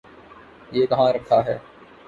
یہ کہاں رکھا ہے؟